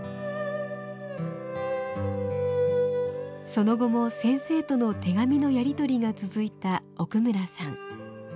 その後も先生との手紙のやり取りが続いた奥村さん。